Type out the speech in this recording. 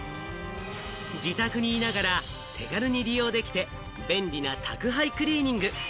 自宅にいながら手軽に利用できて便利な宅配クリーニング。